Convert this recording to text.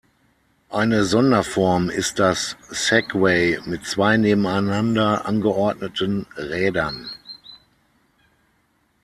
Eine Sonderform ist das Segway mit zwei nebeneinander angeordneten Rädern.